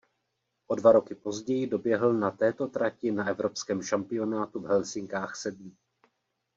O dva roky později doběhl na této trati na evropském šampionátu v Helsinkách sedmý.